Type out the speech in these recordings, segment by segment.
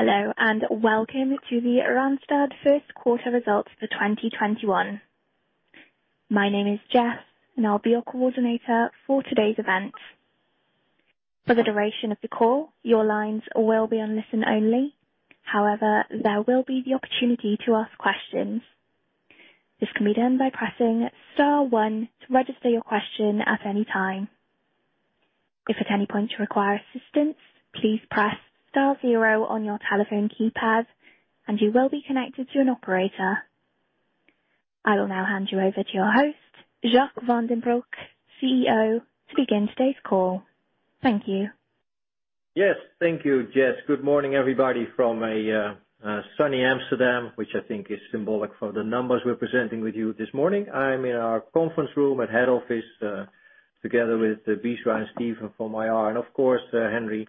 Hello, welcome to the Randstad first quarter results for 2021. My name is Jess, I'll be your coordinator for today's event. For the duration of the call, your lines will be on listen only. However, there will be the opportunity to ask questions. This can be done by pressing star one to register your question at any time. If at any point you require assistance, please press star zero on your telephone keypad and you will be connected to an operator. I will now hand you over to your host, Jacques van den Broek, CEO, to begin today's call. Thank you. Yes, thank you, Jess. Good morning, everybody from a sunny Amsterdam, which I think is symbolic for the numbers we're presenting with you this morning. I'm in our conference room at head office, together with Bisera and Steven from IR, and of course, Henry.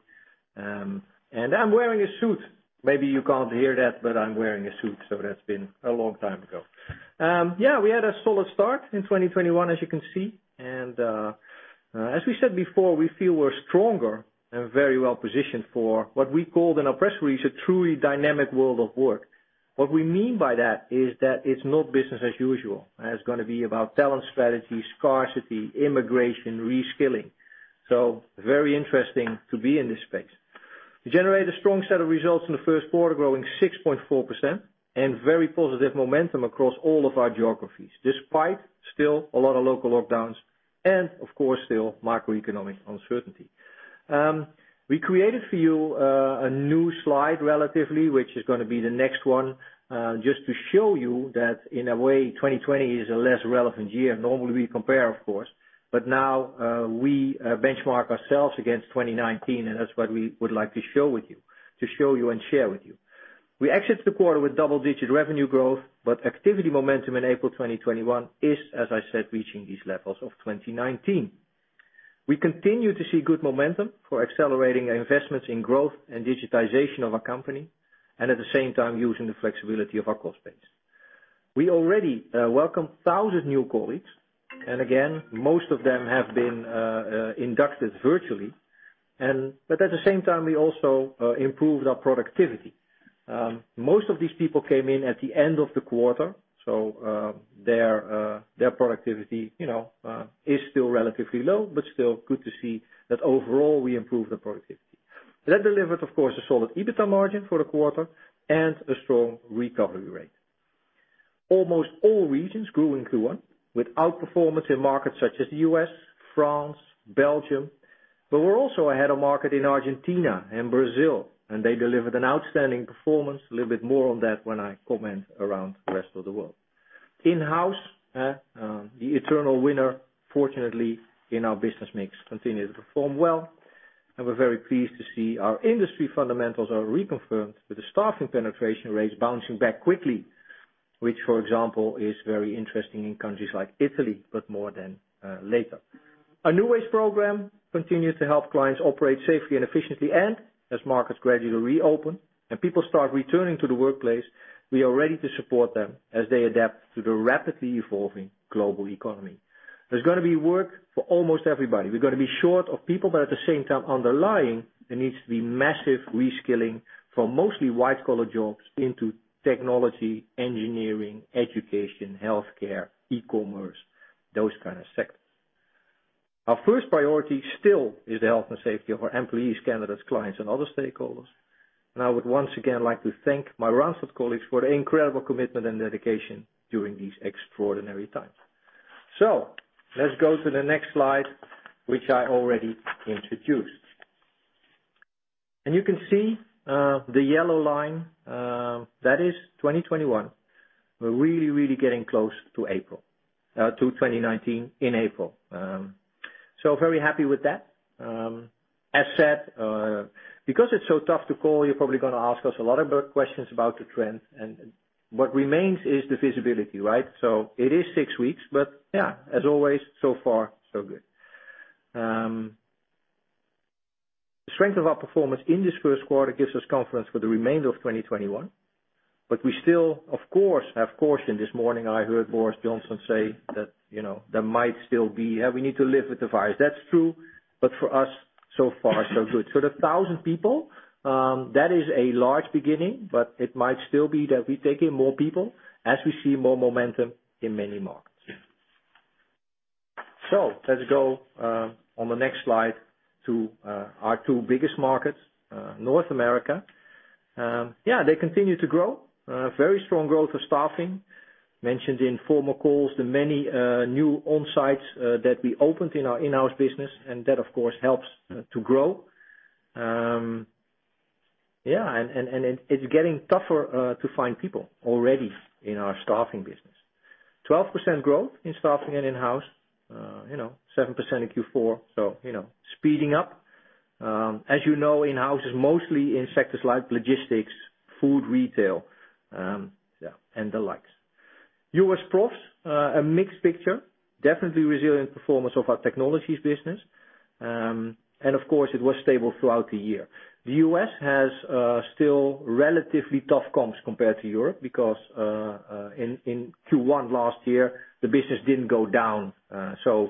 I'm wearing a suit. Maybe you can't hear that, but I'm wearing a suit, so that's been a long time ago. Yeah, we had a solid start in 2021, as you can see. As we said before, we feel we're stronger and very well positioned for what we called in our press release, a truly dynamic world of work. What we mean by that is that it's not business as usual. It's going to be about talent strategy, scarcity, immigration, reskilling. Very interesting to be in this space. We generated a strong set of results in the first quarter, growing 6.4%, and very positive momentum across all of our geographies, despite still a lot of local lockdowns and of course, still macroeconomic uncertainty. We created for you a new slide relatively, which is going to be the next one, just to show you that in a way, 2020 is a less relevant year. Normally, we compare, of course, but now we benchmark ourselves against 2019, and that's what we would like to show you and share with you. We exited the quarter with double-digit revenue growth, but activity momentum in April 2021 is, as I said, reaching these levels of 2019. We continue to see good momentum for accelerating our investments in growth and digitization of our company, and at the same time using the flexibility of our cost base. We already welcomed 1,000 new colleagues, and again, most of them have been inducted virtually. At the same time, we also improved our productivity. Most of these people came in at the end of the quarter, so their productivity is still relatively low, but still good to see that overall, we improved the productivity. That delivered, of course, a solid EBITDA margin for the quarter and a strong recovery rate. Almost all regions grew in Q1 with outperformance in markets such as the U.S., France, Belgium, but we're also ahead of market in Argentina and Brazil, and they delivered an outstanding performance. A little bit more on that when I comment around the rest of the world. In-house, the eternal winner, fortunately in our business mix, continued to perform well, and we're very pleased to see our industry fundamentals are reconfirmed with the staffing penetration rates bouncing back quickly, which, for example, is very interesting in countries like Italy, but more then later. Our New Ways program continues to help clients operate safely and efficiently, and as markets gradually reopen and people start returning to the workplace, we are ready to support them as they adapt to the rapidly evolving global economy. There's going to be work for almost everybody. We're going to be short of people, but at the same time, underlying, there needs to be massive reskilling from mostly white-collar jobs into technology, engineering, education, health care, e-commerce, those kind of sectors. Our first priority still is the health and safety of our employees, candidates, clients, and other stakeholders. I would once again like to thank my Randstad colleagues for their incredible commitment and dedication during these extraordinary times. Let's go to the next slide, which I already introduced. You can see, the yellow line, that is 2021. We're really getting close to 2019 in April. Very happy with that. As said, because it's so tough to call, you're probably going to ask us a lot of questions about the trend and what remains is the visibility, right? It is six weeks, yeah, as always, so far, so good. The strength of our performance in this first quarter gives us confidence for the remainder of 2021. We still, of course, have caution. This morning I heard Boris Johnson say that we need to live with the virus. That's true, for us, so far, so good. The 1,000 people, that is a large beginning, but it might still be that we take in more people as we see more momentum in many markets. Let's go on the next slide to our two biggest markets, North America. They continue to grow. Very strong growth of staffing. Mentioned in former calls, the many new on-sites that we opened in our In-house business, and that of course helps to grow. It's getting tougher to find people already in our staffing business. 12% growth in staffing and In-house. 7% in Q4, speeding up. As you know, In-house is mostly in sectors like logistics, food, retail, and the likes. U.S. Profs, a mixed picture. Definitely resilient performance of our technologies business. Of course, it was stable throughout the year. The U.S. has still relatively tough comps compared to Europe because, in Q1 last year, the business didn't go down.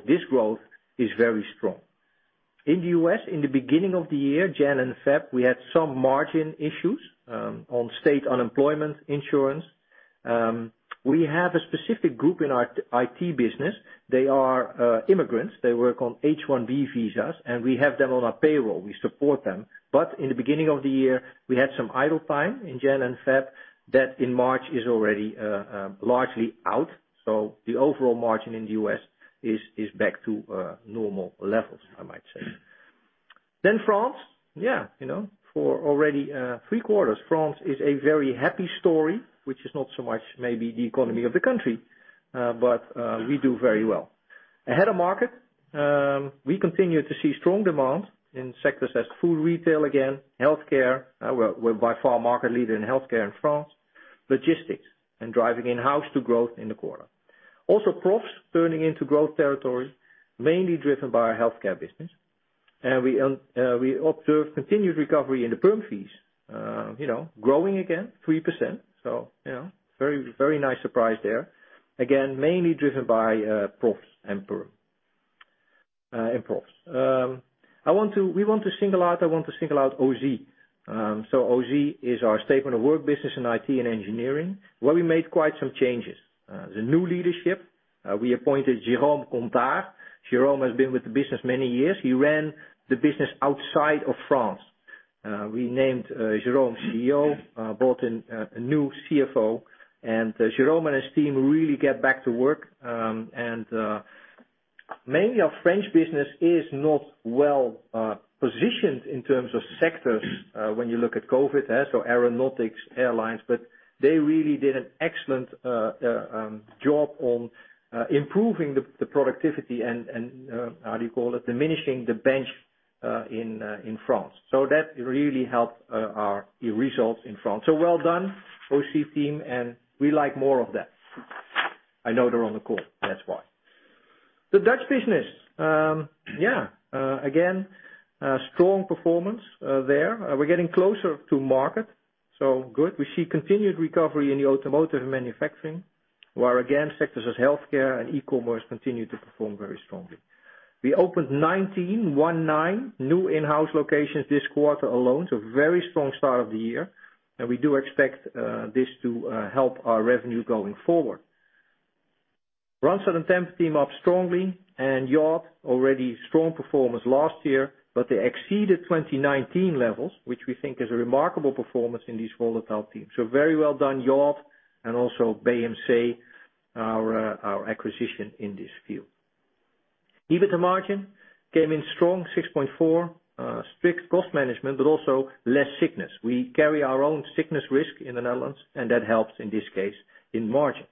This growth is very strong. In the U.S., in the beginning of the year, Jan and Feb, we had some margin issues on state unemployment insurance. We have a specific group in our IT business. They are immigrants. They work on H-1B visas, and we have them on our payroll. We support them. In the beginning of the year, we had some idle time in Jan and Feb, that in March is already largely out. The overall margin in the U.S. is back to normal levels, I might say. France. For already three quarters, France is a very happy story, which is not so much maybe the economy of the country. We do very well. Ahead of market, we continue to see strong demand in sectors as food retail, again, healthcare. We're by far market leader in healthcare in France. Logistics and driving in-house to growth in the quarter. Profs turning into growth territory, mainly driven by our healthcare business. We observe continued recovery in the Perm fees. Growing again 3%. Very nice surprise there. Again, mainly driven by Perm and Profs. We want to single out Ausy. Ausy is our statement of work business in IT and engineering, where we made quite some changes. There's a new leadership. We appointed Jérôme Comar. Jérôme has been with the business many years. He ran the business outside of France. We named Jérôme CEO, brought in a new CFO, Jérôme and his team really get back to work. Mainly our French business is not well positioned in terms of sectors when you look at COVID. Aeronautics, airlines. They really did an excellent job on improving the productivity and, how do you call it, diminishing the bench in France. That really helped our results in France. Well done, Ausy team, and we like more of that. I know they're on the call, that's why. The Dutch business. Again, strong performance there. We are getting closer to market, so good. We see continued recovery in the automotive and manufacturing, where again, sectors such as healthcare and e-commerce continue to perform very strongly. We opened 19 new In-house locations this quarter alone. A very strong start of the year. We do expect this to help our revenue going forward. Randstad and Tempo-Team up strongly and Yacht, already strong performance last year, but they exceeded 2019 levels, which we think is a remarkable performance in these volatile teams. Very well done, Yacht, and also BMC, our acquisition in this field. EBITDA margin came in strong, 6.4%. Strict cost management, but also less sickness. We carry our own sickness risk in the Netherlands, and that helps in this case in margin.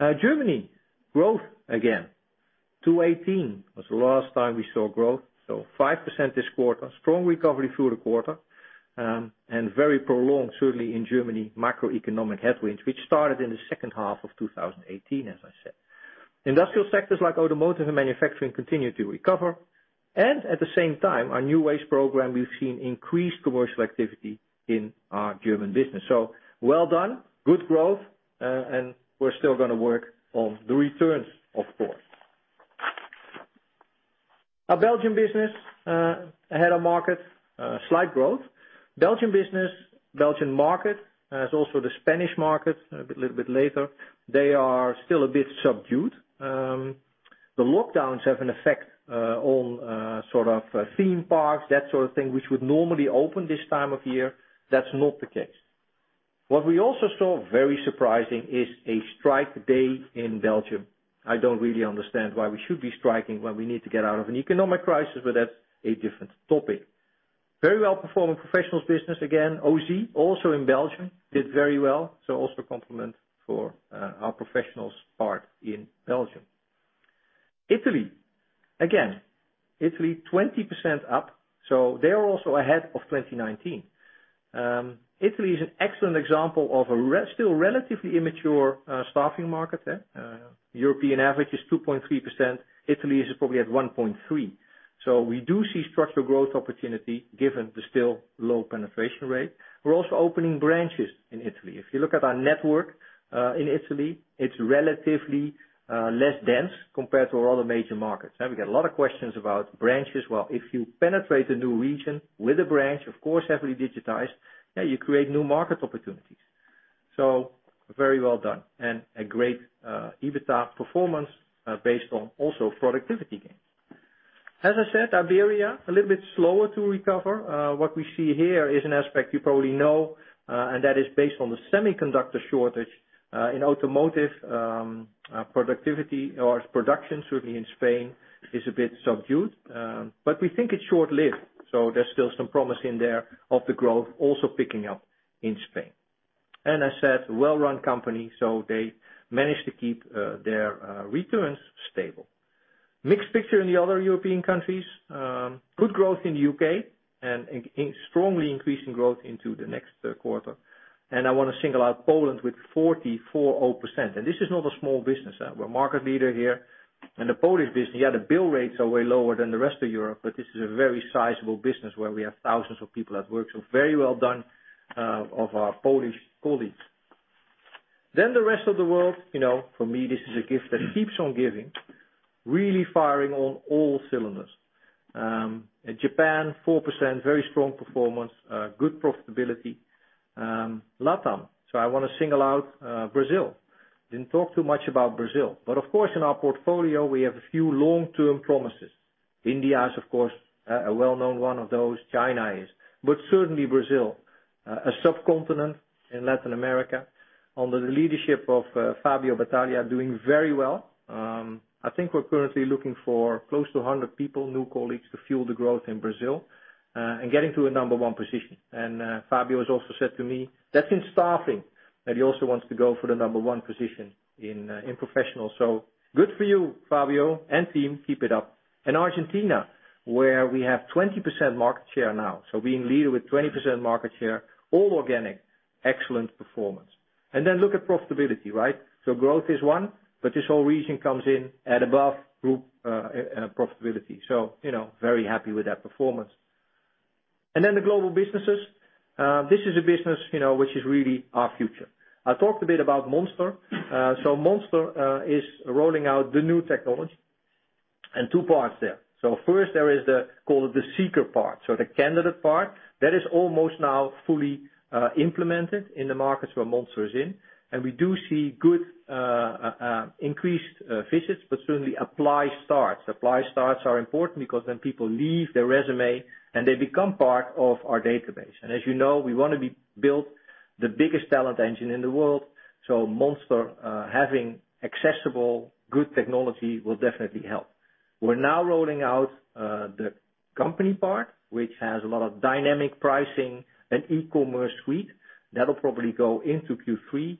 Germany, growth again. 2018 was the last time we saw growth. 5% this quarter. Strong recovery through the quarter. Very prolonged, certainly in Germany, macroeconomic headwinds, which started in the second half of 2018, as I said. Industrial sectors like automotive and manufacturing continue to recover. At the same time, our New Ways program, we've seen increased commercial activity in our German business. Well done, good growth, and we're still going to work on the returns, of course. Our Belgium business, ahead of market, slight growth. Belgium business, Belgium market, as also the Spanish market, a little bit later, they are still a bit subdued. The lockdowns have an effect on theme parks, that sort of thing, which would normally open this time of year. That's not the case. What we also saw, very surprising, is a strike day in Belgium. I don't really understand why we should be striking when we need to get out of an economic crisis, but that's a different topic. Very well-performing Professionals business. Again, Ausy, also in Belgium, did very well. Also compliment for our Professionals part in Belgium. Italy. Again, Italy 20% up, so they are also ahead of 2019. Italy is an excellent example of a still relatively immature staffing market there. European average is 2.3%. Italy is probably at 1.3. We do see structural growth opportunity given the still low penetration rate. We're also opening branches in Italy. If you look at our network in Italy, it's relatively less dense compared to our other major markets. We get a lot of questions about branches. Well, if you penetrate a new region with a branch, of course, heavily digitized, you create new market opportunities. Very well done. A great EBITDA performance based on also productivity gains. As I said, Iberia, a little bit slower to recover. What we see here is an aspect you probably know, and that is based on the semiconductor shortage in automotive. Productivity or production, certainly in Spain, is a bit subdued. We think it's short-lived, so there's still some promise in there of the growth also picking up in Spain. Well-run company, they managed to keep their returns stable. Mixed picture in the other European countries. Good growth in the U.K. and strongly increasing growth into the next quarter. I want to single out Poland with 44.0%. This is not a small business. We're market leader here. The Polish business, yeah, the bill rates are way lower than the rest of Europe, but this is a very sizable business where we have thousands of people at work. Very well done of our Polish colleagues. The rest of the world, for me, this is a gift that keeps on giving, really firing on all cylinders. In Japan, 4%, very strong performance, good profitability. LATAM. I want to single out Brazil. Didn't talk too much about Brazil, but of course, in our portfolio, we have a few long-term promises. India is, of course, a well-known one of those. China is. Certainly Brazil, a subcontinent in Latin America, under the leadership of Fabio Battaglia, doing very well. I think we're currently looking for close to 100 people, new colleagues, to fuel the growth in Brazil, and getting to a number one position. Fabio has also said to me that in staffing, that he also wants to go for the number one position in Profs. Good for you, Fabio and team. Keep it up. Argentina, where we have 20% market share now. Being leader with 20% market share, all organic, excellent performance. Look at profitability, right? Growth is one, but this whole region comes in at above group profitability. Very happy with that performance. The global businesses. This is a business which is really our future. I talked a bit about Monster. Monster is rolling out the new technology in two parts there. First there is the, call it the seeker part. The candidate part, that is almost now fully implemented in the markets where Monster is in. We do see good increased visits, but certainly apply starts. Apply starts are important because then people leave their resume and they become part of our database. As you know, we want to build the biggest talent engine in the world. Monster, having accessible, good technology will definitely help. We're now rolling out the company part, which has a lot of dynamic pricing and e-commerce suite that'll probably go into Q3.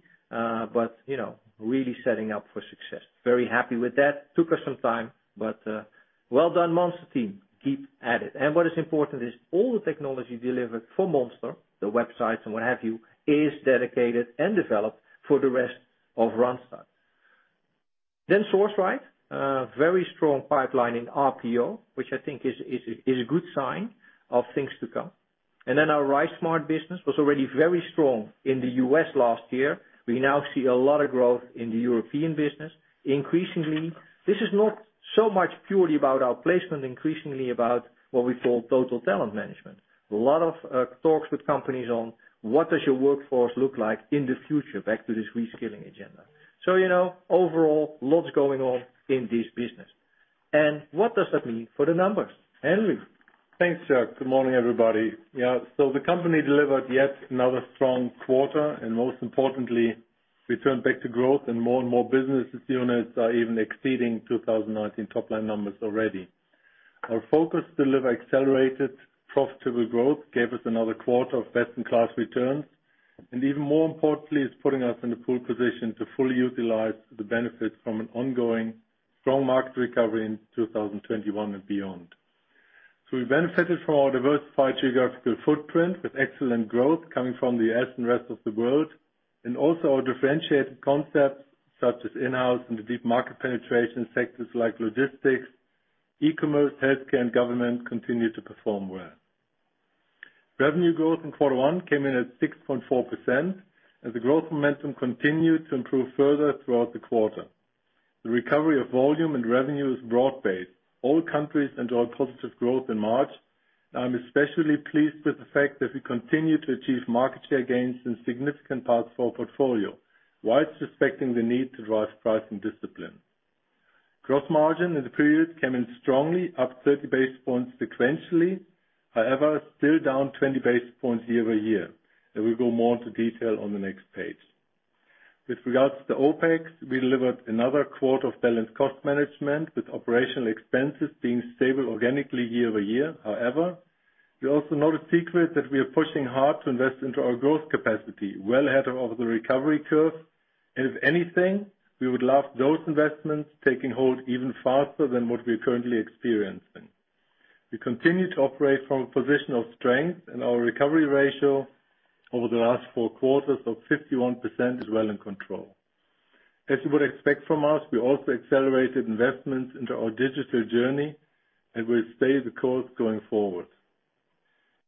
Really setting up for success. Very happy with that. Took us some time, but well done, Monster team. Keep at it. What is important is all the technology delivered for Monster, the websites, and what have you, is dedicated and developed for the rest of Randstad. Sourceright, very strong pipeline in RPO, which I think is a good sign of things to come. Our RiseSmart business was already very strong in the U.S. last year. We now see a lot of growth in the European business. Increasingly, this is not so much purely about our placement, increasingly about what we call total talent management. A lot of talks with companies on what does your workforce look like in the future? Back to this reskilling agenda. Overall, lots going on in this business. What does that mean for the numbers? Henry? Thanks, Jacques. Good morning, everybody. Yeah, the company delivered yet another strong quarter, and most importantly, returned back to growth. More and more business units are even exceeding 2019 top-line numbers already. Our focus to deliver accelerated profitable growth gave us another quarter of best-in-class returns, and even more importantly, is putting us in a pole position to fully utilize the benefits from an ongoing strong market recovery in 2021 and beyond. We benefited from our diversified geographical footprint with excellent growth coming from the U.S. and rest of the world. Also our differentiated concepts such as in-house and the deep market penetration in sectors like logistics, e-commerce, healthcare, and government continue to perform well. Revenue growth in quarter one came in at 6.4%, and the growth momentum continued to improve further throughout the quarter. The recovery of volume and revenue is broad-based. All countries enjoyed positive growth in March. I'm especially pleased with the fact that we continue to achieve market share gains in significant parts of our portfolio while respecting the need to drive pricing discipline. Gross margin in the period came in strongly up 30 basis points sequentially, however, still down 20 basis points year-over-year. We go more into detail on the next page. With regards to OpEx, we delivered another quarter of balanced cost management, with operational expenses being stable organically year-over-year. You also know the secret that we are pushing hard to invest into our growth capacity well ahead of the recovery curve. If anything, we would love those investments taking hold even faster than what we're currently experiencing. We continue to operate from a position of strength and our recovery ratio over the last four quarters of 51% is well in control. As you would expect from us, we also accelerated investments into our digital journey and will stay the course going forward.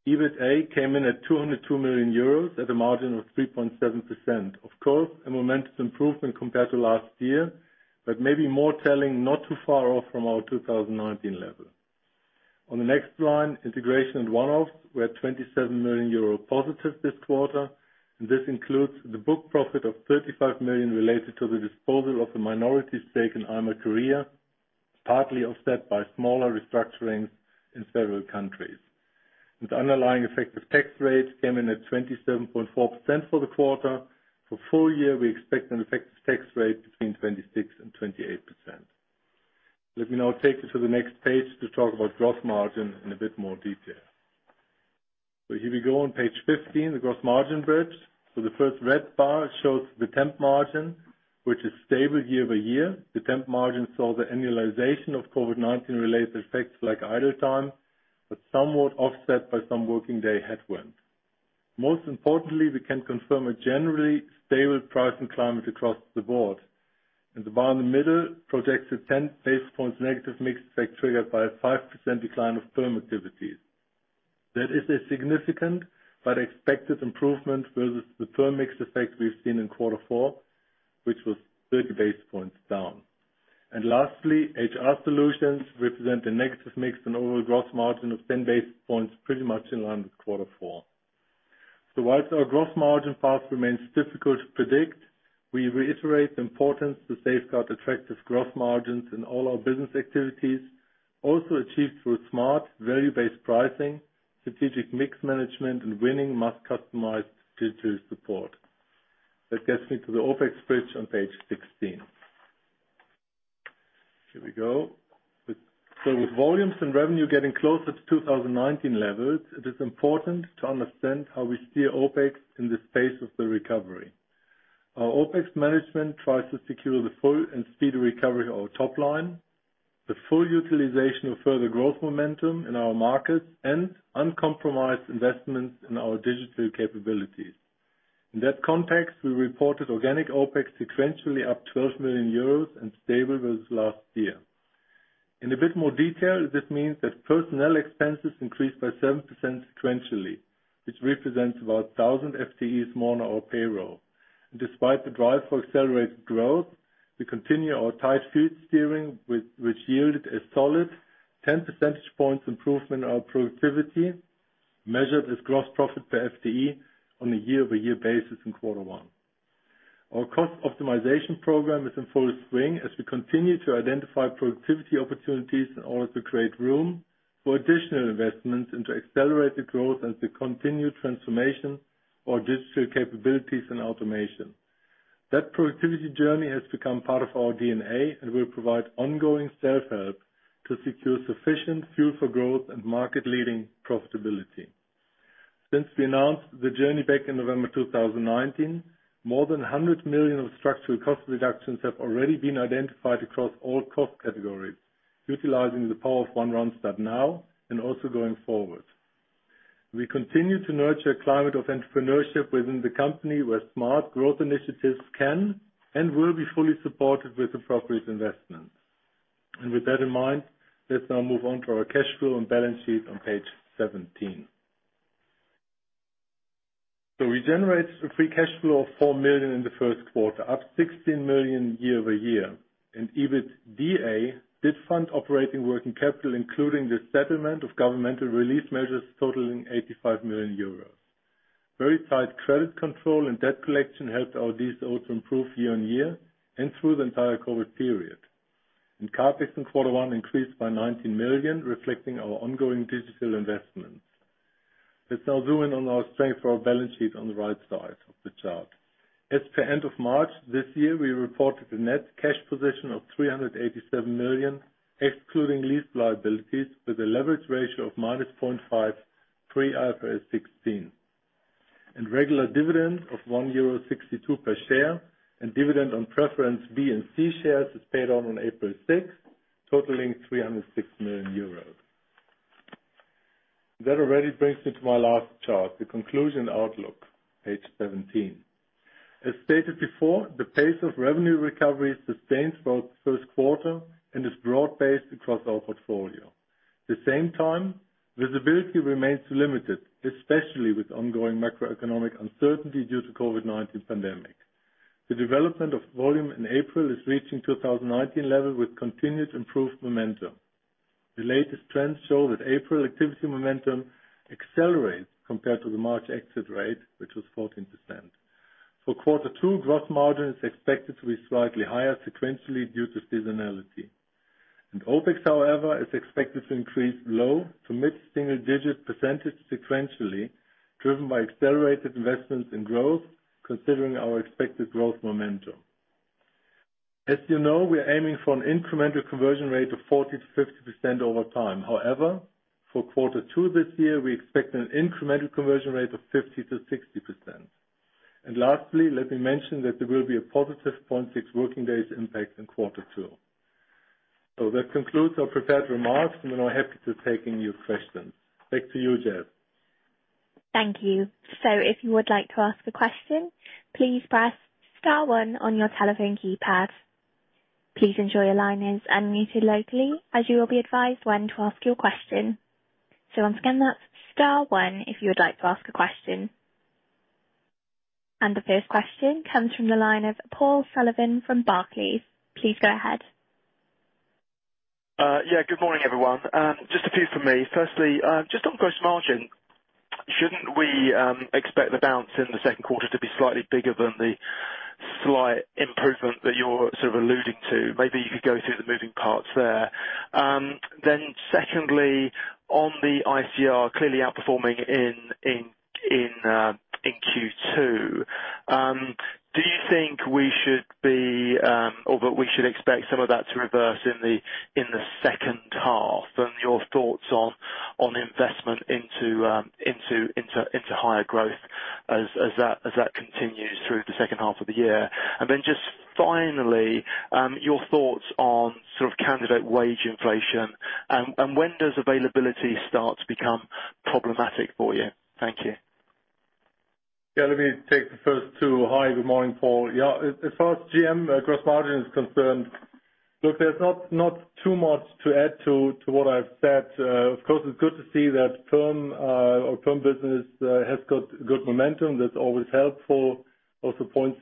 EBITA came in at 202 million euros at a margin of 3.7%. Of course, a momentous improvement compared to last year, but maybe more telling, not too far off from our 2019 level. On the next line, integration and one-offs were 27 million euro positive this quarter, and this includes the book profit of 35 million related to the disposal of a minority stake in Alma Career, partly offset by smaller restructurings in several countries, with underlying effective tax rates came in at 27.4% for the quarter. For full year, we expect an effective tax rate between 26%-28%. Let me now take you to the next page to talk about gross margin in a bit more detail. Here we go on page 15, the gross margin bridge. The first red bar shows the temp margin, which is stable year-over-year. The temp margin saw the annualization of COVID-19 related effects like idle time, but somewhat offset by some working day headwind. Most importantly, we can confirm a generally stable pricing climate across the board, and the bar in the middle projects a 10 basis points negative mix effect triggered by a 5% decline of Perm activities. That is a significant but expected improvement versus the firm mix effect we've seen in quarter four, which was 30 basis points down. Lastly, HR solutions represent a negative mix on overall gross margin of 10 basis points, pretty much in line with quarter four. Whilst our gross margin path remains difficult to predict, we reiterate the importance to safeguard attractive gross margins in all our business activities, also achieved through smart value-based pricing, strategic mix management, and winning mass customized digital support. That gets me to the OpEx bridge on page 16. Here we go. With volumes and revenue getting closer to 2019 levels, it is important to understand how we steer OpEx in this phase of the recovery. Our OpEx management tries to secure the full and speedy recovery of our top line, the full utilization of further growth momentum in our markets, and uncompromised investments in our digital capabilities. In that context, we reported organic OpEx sequentially up 12 million euros and stable versus last year. In a bit more detail, this means that personnel expenses increased by 7% sequentially, which represents about 1,000 FTEs more on our payroll. Despite the drive for accelerated growth, we continue our tight field steering, which yielded a solid 10 percentage points improvement in our productivity, measured as gross profit per FTE on a year-over-year basis in quarter one. Our cost optimization program is in full swing as we continue to identify productivity opportunities in order to create room for additional investments and to accelerate the growth and to continue transformation our digital capabilities and automation. That productivity journey has become part of our DNA and will provide ongoing self-help to secure sufficient fuel for growth and market-leading profitability. Since we announced the journey back in November 2019, more than 100 million of structural cost reductions have already been identified across all cost categories, utilizing the power of One Randstad now and also going forward. We continue to nurture a climate of entrepreneurship within the company, where smart growth initiatives can and will be fully supported with appropriate investments. With that in mind, let's now move on to our cash flow and balance sheet on page 17. We generated a free cash flow of 4 million in the first quarter, up 16 million year-over-year, EBITDA did fund operating working capital, including the settlement of governmental release measures totaling 85 million euros. Very tight credit control and debt collection helped our DSO to improve year-on-year and through the entire COVID period. CapEx in quarter one increased by 19 million, reflecting our ongoing digital investments. Let's now zoom in on our strength for our balance sheet on the right side of the chart. As per end of March this year, we reported a net cash position of 387 million, excluding lease liabilities with a leverage ratio of -0.5 pre IFRS 16. Regular dividend of 1.62 euro per share and dividend on preference B and C shares is paid on April 6th, totaling 306 million euros. That already brings me to my last chart, the conclusion outlook, page 17. As stated before, the pace of revenue recovery is sustained for the first quarter and is broad-based across our portfolio. At the same time, visibility remains limited, especially with ongoing macroeconomic uncertainty due to COVID-19 pandemic. The development of volume in April is reaching 2019 level with continued improved momentum. The latest trends show that April activity momentum accelerates compared to the March exit rate, which was 14%. For quarter two, gross margin is expected to be slightly higher sequentially due to seasonality. OpEx, however, is expected to increase low to mid-single digit percentage sequentially, driven by accelerated investments in growth considering our expected growth momentum. As you know, we are aiming for an incremental conversion rate of 40%-50% over time. However, for quarter two this year, we expect an incremental conversion rate of 50%-60%. Lastly, let me mention that there will be a positive 0.6 working days impact in quarter two. That concludes our prepared remarks, and we're now happy to take any questions. Back to you, Jess. Thank you. If you would like to ask a question, please press star one on your telephone keypad. Please ensure your line is unmuted locally as you will be advised when to ask your question. Once again, that's star one if you would like to ask a question. The first question comes from the line of Paul Sullivan from Barclays. Please go ahead. Good morning, everyone. Just a few from me. Firstly, just on gross margin, shouldn't we expect the bounce in the second quarter to be slightly bigger than the slight improvement that you're sort of alluding to? Maybe you could go through the moving parts there. Secondly, on the ICR clearly outperforming in Q2, do you think we should expect some of that to reverse in the second half? Your thoughts on investment into higher growth as that continues through the second half of the year. Finally, your thoughts on sort of candidate wage inflation, and when does availability start to become problematic for you? Thank you. Let me take the first two. Hi, good morning, Paul. As far as GM, gross margin, is concerned, look, there's not too much to add to what I've said. Of course, it's good to see that firm or firm business has got good momentum. That's always helpful. Also, 0.6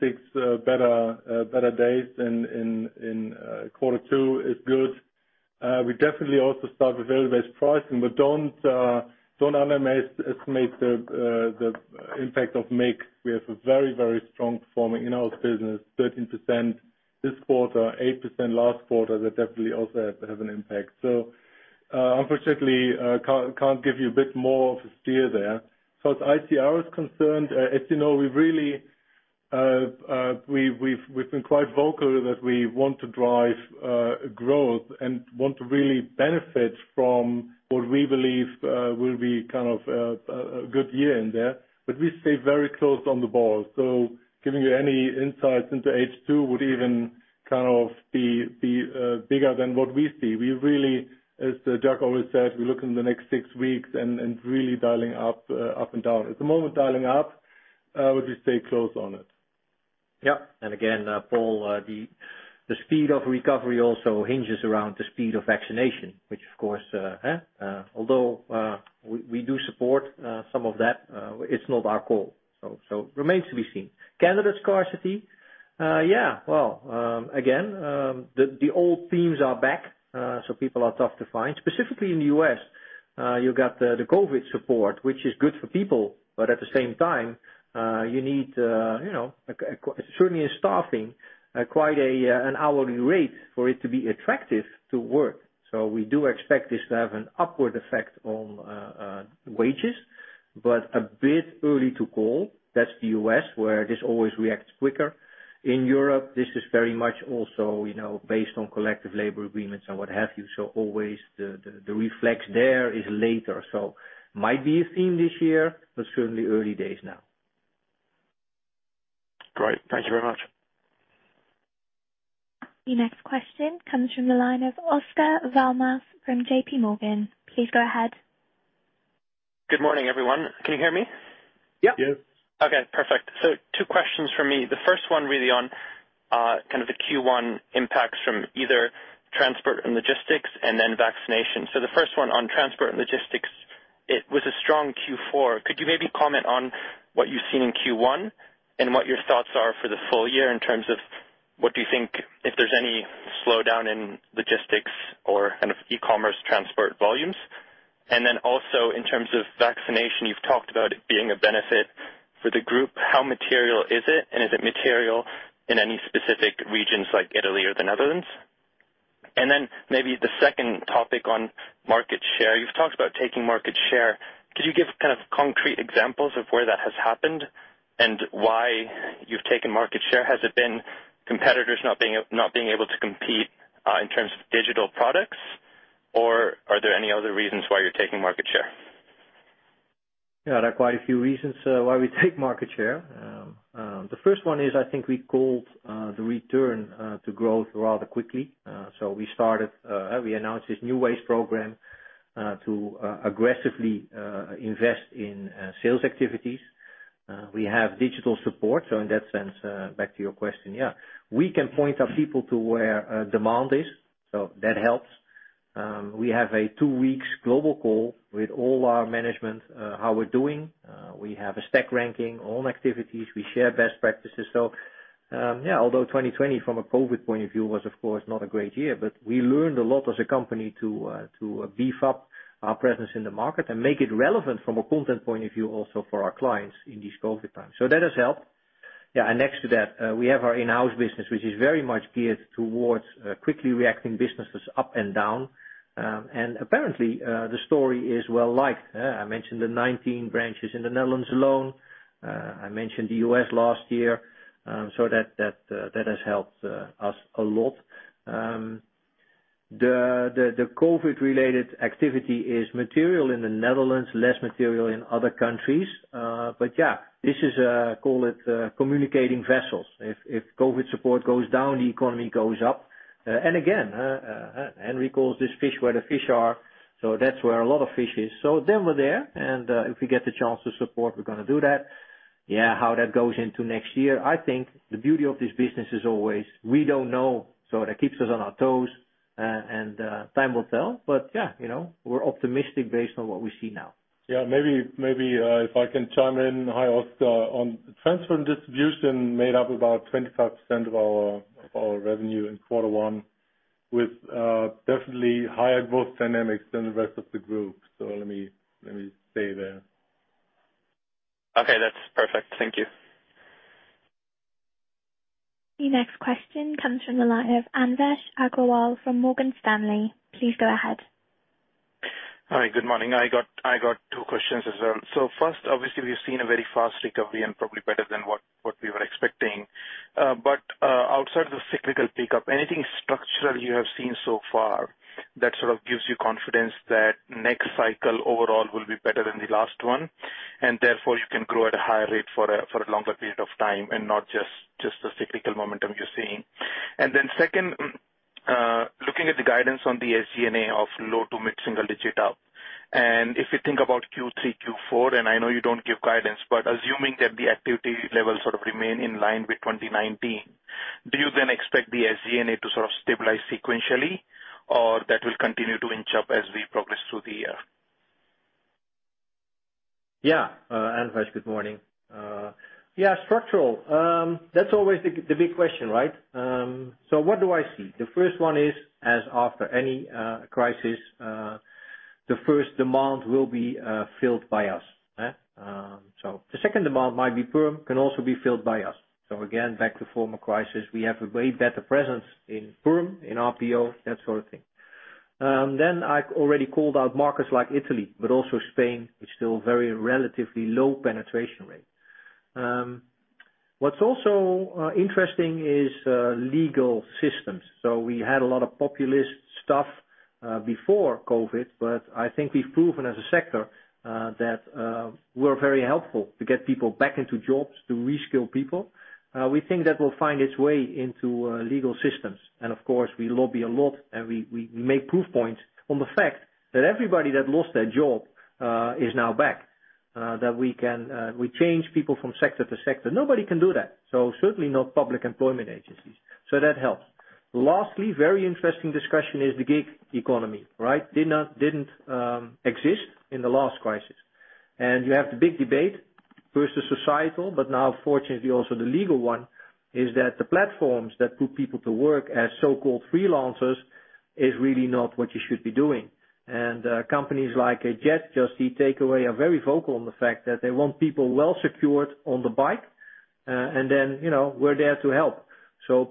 better days in quarter two is good. We definitely also start with value-based pricing, but don't underestimate the impact of mix. We have a very strong performing in-house business, 13% this quarter, 8% last quarter. That definitely also has an impact. Unfortunately, can't give you a bit more of a steer there. As far as ICR is concerned, as you know, we've been quite vocal that we want to drive growth and want to really benefit from what we believe will be a good year in there. We stay very close on the ball, so giving you any insights into H2 would even be bigger than what we see. As Jacques always says, we look in the next six weeks and really dialing up and down. At the moment, dialing up, we just stay close on it. Yeah. Again, Paul, the speed of recovery also hinges around the speed of vaccination, which, of course, although we do support some of that, it's not our call. Remains to be seen. Candidate scarcity. Yeah. Well, again, the old themes are back, people are tough to find, specifically in the U.S. You've got the COVID support, which is good for people, but at the same time, you need, certainly in staffing, quite an hourly rate for it to be attractive to work. We do expect this to have an upward effect on wages, a bit early to call. That's the U.S., where this always reacts quicker. In Europe, this is very much also based on collective labor agreements and what have you. Always the reflex there is later. Might be a theme this year, certainly early days now. Great. Thank you very much. The next question comes from the line of Oscar Val Mas from JPMorgan. Please go ahead. Good morning, everyone. Can you hear me? Yep. Yes. Okay, perfect. Two questions from me. The first one on the Q1 impacts from either transport and logistics and then vaccination. The first one on transport and logistics. It was a strong Q4. Could you comment on what you've seen in Q1 and what your thoughts are for the full year in terms of what do you think, if there's any slowdown in logistics or e-commerce transport volumes? Also in terms of vaccination, you've talked about it being a benefit for the group. How material is it? Is it material in any specific regions like Italy or the Netherlands? The second topic on market share. You've talked about taking market share. Could you give concrete examples of where that has happened and why you've taken market share? Has it been competitors not being able to compete, in terms of digital products, or are there any other reasons why you're taking market share? Yeah, there are quite a few reasons why we take market share. The first one is, I think we called the return to growth rather quickly. We announced this New Ways program to aggressively invest in sales activities. We have digital support. In that sense, back to your question, yeah. We can point our people to where demand is, so that helps. We have a two weeks global call with all our management, how we're doing. We have a stack ranking on activities. We share best practices. Yeah, although 2020, from a COVID point of view, was of course not a great year, but we learned a lot as a company to beef up our presence in the market and make it relevant from a content point of view also for our clients in these COVID times. That has helped. Yeah. Next to that, we have our In-house business, which is very much geared towards quickly reacting businesses up and down. Apparently, the story is well liked. I mentioned the 19 branches in the Netherlands alone. I mentioned the U.S. last year. That has helped us a lot. The COVID-related activity is material in the Netherlands, less material in other countries. Yeah, this is, call it, communicating vessels. If COVID support goes down, the economy goes up. Again, Henry calls this fish where the fish are, so that's where a lot of fish is. We're there, and if we get the chance to support, we're going to do that. Yeah, how that goes into next year, I think the beauty of this business is always we don't know. That keeps us on our toes, and time will tell. Yeah, we're optimistic based on what we see now. Yeah. Maybe if I can chime in. Hi, Oscar. On transfer and distribution made up about 25% of our revenue in quarter 1 with definitely higher growth dynamics than the rest of the group. Let me stay there. Okay, that's perfect. Thank you. The next question comes from the line of Anvesh Agrawal from Morgan Stanley. Please go ahead. Hi. Good morning. I got two questions as well. First, obviously, we've seen a very fast recovery and probably better than what we were expecting. Outside of the cyclical pickup, anything structural you have seen so far that sort of gives you confidence that next cycle overall will be better than the last one, and therefore you can grow at a higher rate for a longer period of time and not just the cyclical momentum you're seeing? Then second, looking at the guidance on the SG&A of low to mid single-digit up, and if you think about Q3, Q4, and I know you don't give guidance, but assuming that the activity levels sort of remain in line with 2019, do you then expect the SG&A to sort of stabilize sequentially? Or that will continue to inch up as we progress through the year? Anvesh, good morning. Structural. That's always the big question, right? What do I see? The first one is, as after any crisis, the first demand will be filled by us. The second demand might be perm, can also be filled by us. Again, back to former crisis. We have a way better presence in perm, in RPO, that sort of thing. I already called out markets like Italy, but also Spain, which still very relatively low penetration rate. What's also interesting is legal systems. We had a lot of populist stuff before COVID, but I think we've proven as a sector that we're very helpful to get people back into jobs, to reskill people. We think that will find its way into legal systems. Of course, we lobby a lot and we make proof points on the fact that everybody that lost their job is now back, that we change people from sector to sector. Nobody can do that. Certainly not public employment agencies. That helps. Lastly, very interesting discussion is the gig economy, right? Didn't exist in the last crisis. You have the big debate versus societal, but now fortunately also the legal one, is that the platforms that put people to work as so-called freelancers is really not what you should be doing. Companies like Ajett, Just Eat Takeaway are very vocal on the fact that they want people well secured on the bike, and then we're there to help.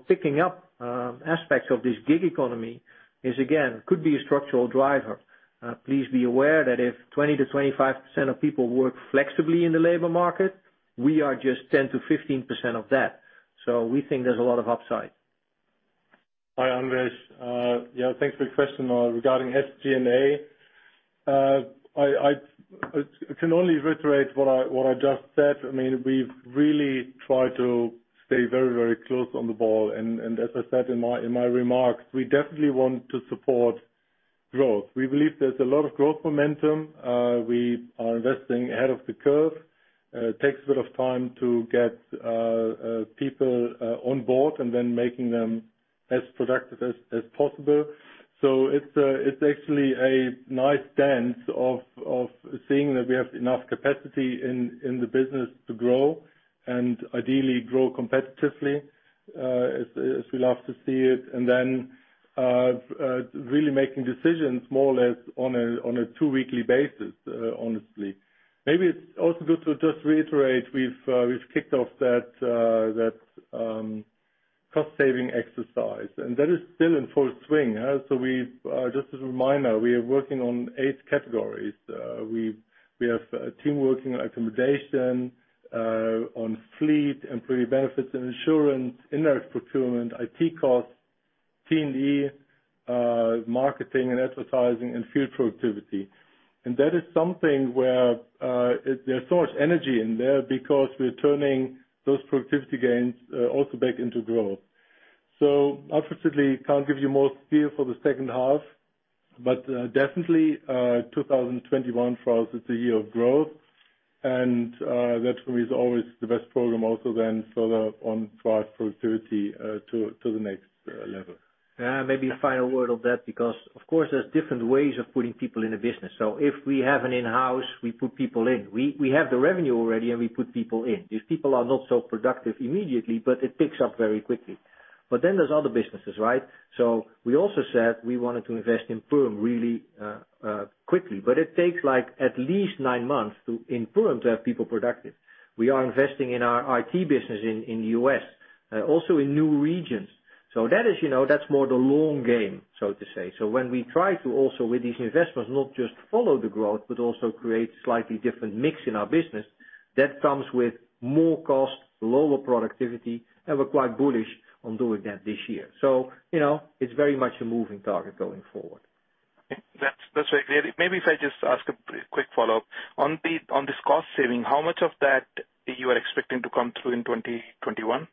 Picking up aspects of this gig economy is, again, could be a structural driver. Please be aware that if 20%-25% of people work flexibly in the labor market, we are just 10%-15% of that. We think there's a lot of upside. Hi, Anvesh. Yeah, thanks for the question regarding SG&A. I can only reiterate what I just said. We've really tried to stay very close on the ball. As I said in my remarks, we definitely want to support growth. We believe there's a lot of growth momentum. We are investing ahead of the curve. It takes a bit of time to get people on board and then making them as productive as possible. It's actually a nice dance of seeing that we have enough capacity in the business to grow and ideally grow competitively, as we love to see it. Really making decisions more or less on a two-weekly basis, honestly. Maybe it's also good to just reiterate, we've kicked off that cost-saving exercise, and that is still in full swing. Just as a reminder, we are working on eight categories. We have a team working on accommodation, on fleet, employee benefits and insurance, indirect procurement, IT costs, T&E, marketing and advertising, and field productivity. That is something where there's so much energy in there because we're turning those productivity gains also back into growth. Unfortunately, can't give you more spiel for the second half, but definitely, 2021 for us is a year of growth. That for me is always the best program also then further on drive productivity to the next level. Yeah, maybe a final word on that, because of course, there's different ways of putting people in a business. If we have an In-house, we put people in. We have the revenue already, and we put people in. These people are not so productive immediately, but it picks up very quickly. Then there's other businesses, right? We also said we wanted to invest in Perm really quickly, but it takes like at least nine months in Perm to have people productive. We are investing in our IT business in U.S., also in new regions. That's more the long game, so to say. When we try to also with these investments, not just follow the growth, but also create slightly different mix in our business, that comes with more cost, lower productivity, and we're quite bullish on doing that this year. It's very much a moving target going forward. That's very clear. Maybe if I just ask a quick follow-up. On this cost saving, how much of that are you expecting to come through in 2021?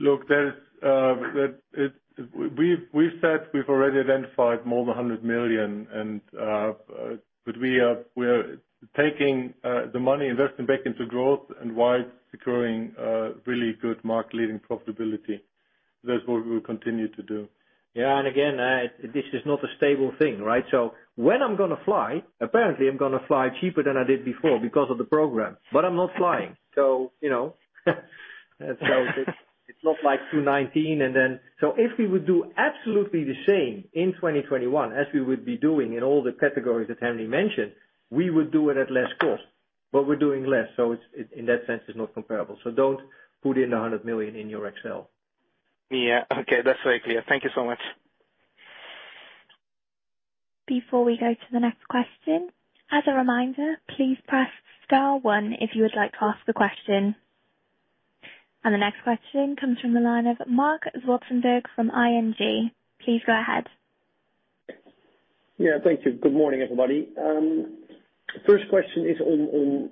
Look, we've said we've already identified more than 100 million, but we are taking the money, investing back into growth and while securing really good market leading profitability. That's what we'll continue to do. Yeah. This is not a stable thing, right? When I'm going to fly, apparently I'm going to fly cheaper than I did before because of the program. I'm not flying. It's not like 2019. If we would do absolutely the same in 2021 as we would be doing in all the categories that Henry mentioned, we would do it at less cost, but we're doing less. In that sense, it's not comparable. Don't put in the 100 million in your Excel. Yeah. Okay. That's very clear. Thank you so much. Before we go to the next question, as a reminder, please press star one if you would like to ask a question. The next question comes from the line of Marc Zwartsenburg from ING. Please go ahead. Yeah. Thank you. Good morning, everybody. First question is on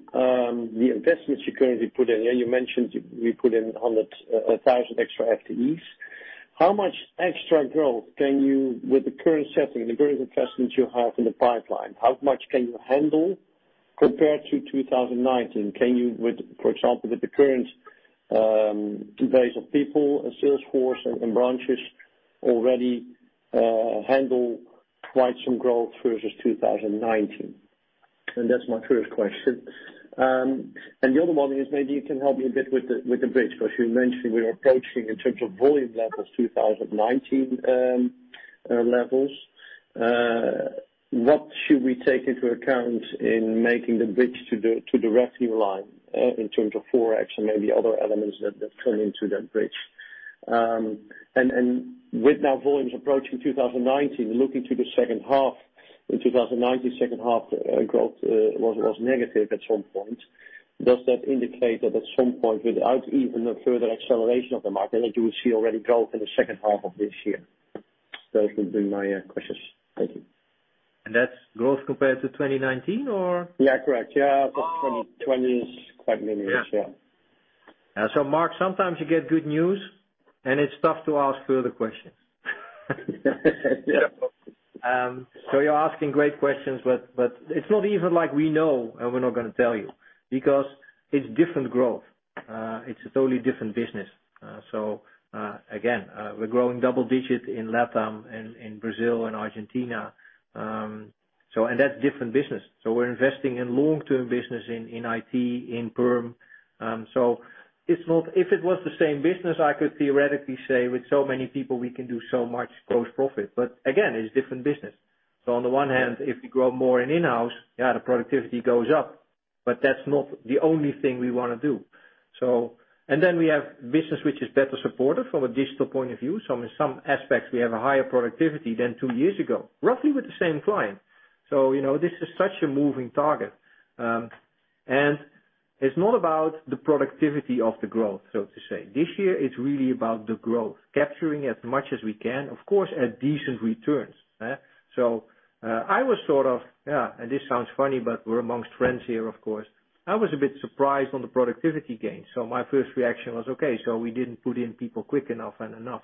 the investments you currently put in. You mentioned you put in 100,000 extra FTEs. How much extra growth can you, with the current setting and the current investments you have in the pipeline, how much can you handle compared to 2019? Can you, for example, with the current base of people and sales force and branches already handle quite some growth versus 2019? That's my first question. The other one is, maybe you can help me a bit with the bridge, because you mentioned we are approaching, in terms of volume levels, 2019 levels. What should we take into account in making the bridge to the revenue line, in terms of ForEx and maybe other elements that play into that bridge? With now volumes approaching 2019, looking to the second half. In 2019, second half growth was negative at some point. Does that indicate that at some point, without even a further acceleration of the market, that you will see already growth in the second half of this year? Those would be my questions. Thank you. That's growth compared to 2019 or? Yeah, correct. 2020 is quite linear. Yeah. Marc, sometimes you get good news and it's tough to ask further questions. Yeah. You're asking great questions, but it's not even like we know and we're not going to tell you, because it's different growth. It's a totally different business. Again, we're growing double-digit in LatAm and in Brazil and Argentina, and that's different business. We're investing in long-term business in IT, in Perm. If it was the same business, I could theoretically say, with so many people, we can do so much gross profit. Again, it's different business. On the one hand, if we grow more in in-house, yeah, the productivity goes up, but that's not the only thing we want to do. Then we have business which is better supported from a digital point of view. In some aspects, we have a higher productivity than two years ago, roughly with the same client. This is such a moving target. It's not about the productivity of the growth, so to say. This year it's really about the growth, capturing as much as we can, of course, at decent returns. I was sort of, and this sounds funny, but we're amongst friends here, of course. I was a bit surprised on the productivity gain. My first reaction was, "Okay, so we didn't put in people quick enough and enough."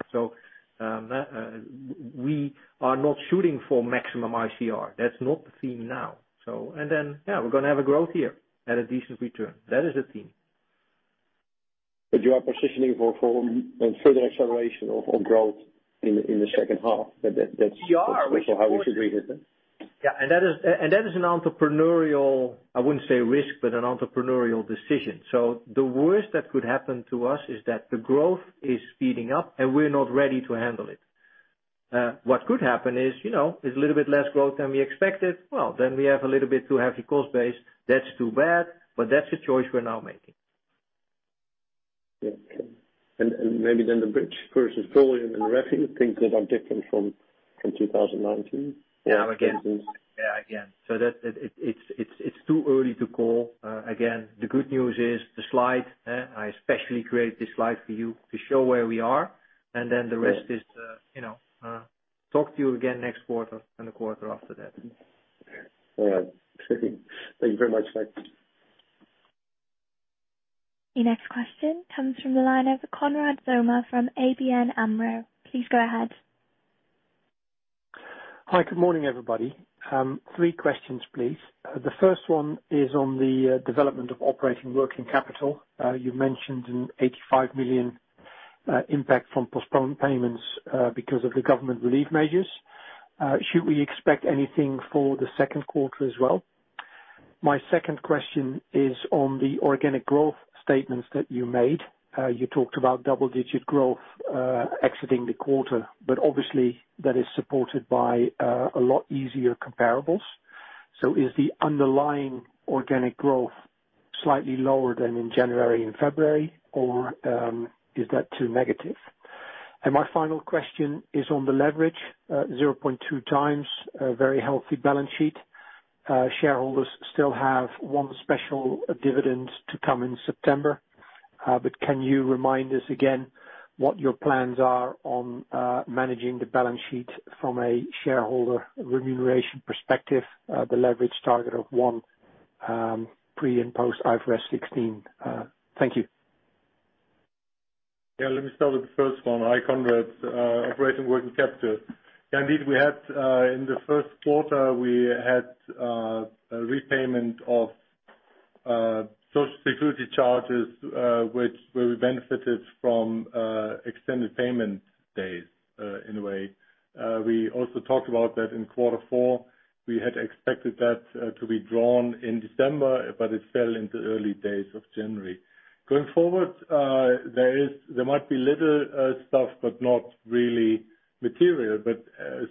We are not shooting for maximum ICR. That's not the theme now. Yeah, we're going to have a growth year at a decent return. That is the theme. You are positioning for further acceleration of growth in the second half. That's also how we should read it then? That is an entrepreneurial, I wouldn't say risk, but an entrepreneurial decision. The worst that could happen to us is that the growth is speeding up and we're not ready to handle it. What could happen is a little bit less growth than we expected. Well, we have a little bit too heavy cost base. That's too bad, that's the choice we're now making. Yeah. Okay. Maybe then the bridge versus volume and revenue, things that are different from 2019. Yeah. Again, so it's too early to call. Again, the good news is the slide. I especially created this slide for you to show where we are, and then the rest is talk to you again next quarter and the quarter after that. All right. Thank you very much. Thanks. Your next question comes from the line of Konrad Zomer from ABN AMRO. Please go ahead. Hi. Good morning, everybody. Three questions, please. The first one is on the development of operating working capital. You mentioned an 85 million impact from postponed payments because of the government relief measures. Should we expect anything for the second quarter as well? My second question is on the organic growth statements that you made. You talked about double-digit growth exiting the quarter, but obviously that is supported by a lot easier comparables. Is the underlying organic growth slightly lower than in January and February, or is that too negative? My final question is on the leverage, 0.2 times, a very healthy balance sheet. Shareholders still have one special dividend to come in September. Can you remind us again what your plans are on managing the balance sheet from a shareholder remuneration perspective, the leverage target of one, pre- and post-IFRS 16? Thank you. Yeah. Let me start with the first one. Hi, Konrad. Operating working capital. Indeed, in the first quarter, we had a repayment of Social Security charges, where we benefited from extended payment days, in a way. We also talked about that in quarter four. We had expected that to be drawn in December, but it fell into early days of January. Going forward, there might be little stuff, but not really material.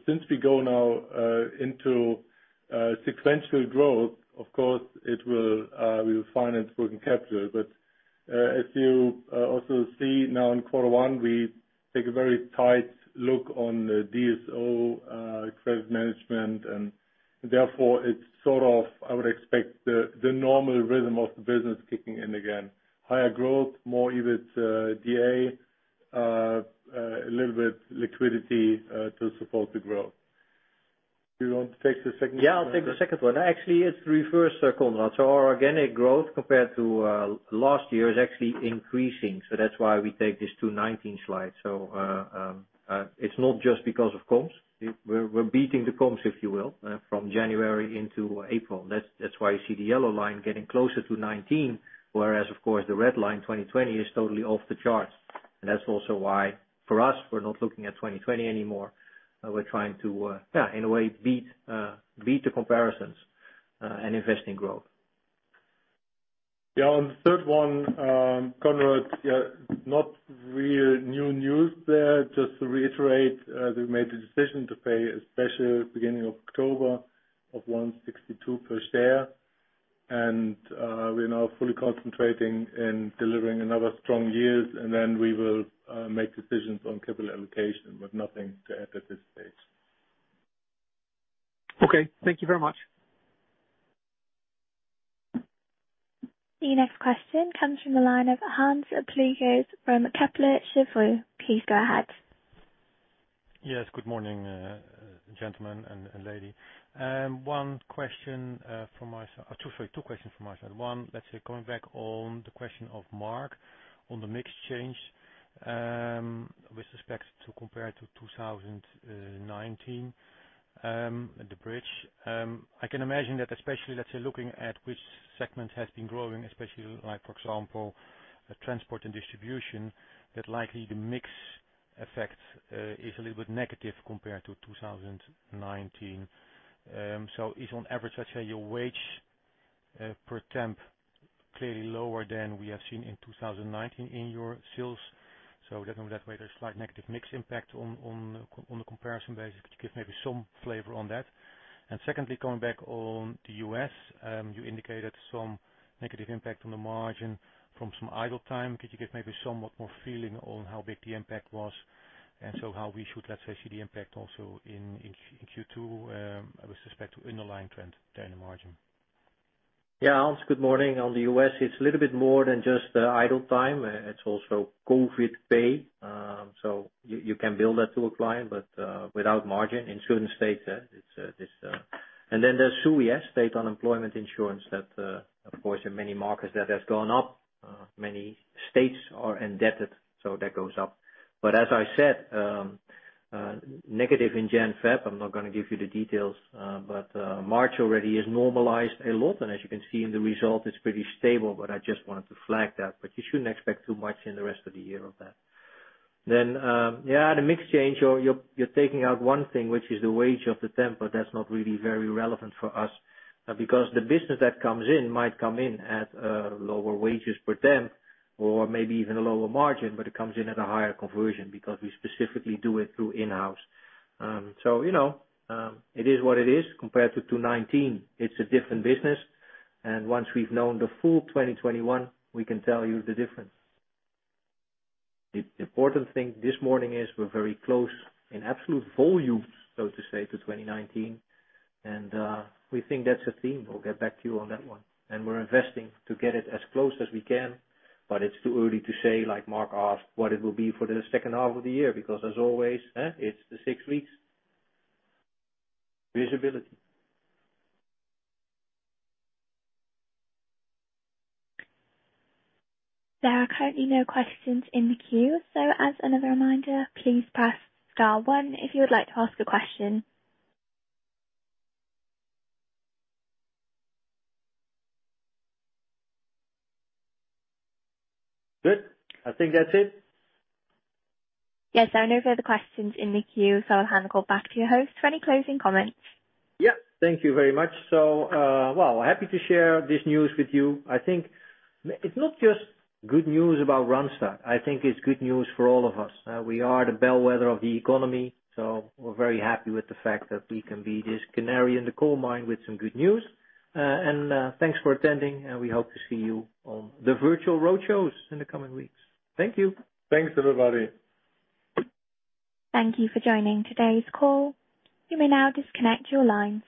Since we go now into sequential growth, of course, we will finance working capital. As you also see now in quarter one, we take a very tight look on the DSO credit management. Therefore, I would expect the normal rhythm of the business kicking in again. Higher growth, more EBITDA, a little bit liquidity to support the growth. Do you want to take the second one? Yeah, I'll take the second one. Actually, it's reverse, Konrad. Our organic growth compared to last year is actually increasing. That's why we take this to 2019 slide. It's not just because of comps. We're beating the comps, if you will, from January into April. That's why you see the yellow line getting closer to 2019. Whereas, of course, the red line 2020 is totally off the charts. That's also why, for us, we're not looking at 2020 anymore. We're trying to, in a way, beat the comparisons and invest in growth. Yeah, on the third one, Konrad, not really new news there. Just to reiterate, we made the decision to pay a special beginning of October of 1.62 per share. We're now fully concentrating in delivering another strong years, and then we will make decisions on capital allocation, but nothing to add at this stage. Okay. Thank you very much. The next question comes from the line of Hans Pluijgers from Kepler Cheuvreux. Please go ahead. Yes. Good morning, gentlemen and lady. Two questions from my side. One, let's say, coming back on the question of Marc on the mix change. With respect to compare to 2019, the bridge. I can imagine that especially, let's say, looking at which segment has been growing, especially like, for example, transport and distribution, that likely the mix effect is a little bit negative compared to 2019. Is on average, let's say your wage per temp clearly lower than we have seen in 2019 in your sales. Definitely that way there's slight negative mix impact on the comparison basis. Could you give maybe some flavor on that? Secondly, going back on the U.S., you indicated some negative impact on the margin from some idle time. Could you give maybe somewhat more feeling on how big the impact was, and so how we should, let's say, see the impact also in Q2, I would suspect in the line trend than the margin. Hans, good morning. On the U.S., it's a little bit more than just the idle time. It's also COVID pay. You can bill that to a client, but without margin in certain states. There's SUI, state unemployment insurance that, of course, in many markets that has gone up. Many states are indebted, so that goes up. As I said, negative in January, February, I'm not going to give you the details, but March already is normalized a lot. As you can see in the result, it's pretty stable, but I just wanted to flag that. You shouldn't expect too much in the rest of the year of that. The mix change, you're taking out one thing, which is the wage of the temp, but that's not really very relevant for us. The business that comes in might come in at lower wages per temp or maybe even a lower margin, but it comes in at a higher conversion because we specifically do it through in-house. It is what it is. Compared to 2019, it's a different business. Once we've known the full 2021, we can tell you the difference. The important thing this morning is we're very close in absolute volumes, so to say, to 2019. We think that's a theme. We'll get back to you on that one. We're investing to get it as close as we can, but it's too early to say, like Marc asked, what it will be for the second half of the year, because as always, it's the six weeks visibility. There are currently no questions in the queue. As another reminder, please press star one if you would like to ask a question. Good. I think that's it. There are no further questions in the queue, so I'll hand it back to your host for any closing comments. Yeah. Thank you very much. Well, happy to share this news with you. I think it's not just good news about Randstad. I think it's good news for all of us. We are the bellwether of the economy, so we're very happy with the fact that we can be this canary in the coal mine with some good news. Thanks for attending, and we hope to see you on the virtual roadshows in the coming weeks. Thank you. Thanks, everybody. Thank you for joining today's call. You may now disconnect your lines.